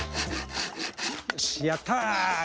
よしやった！